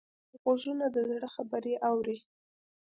غوږونه د زړه خبرې اوري